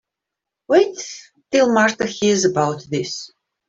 Wait till Martha hears about this.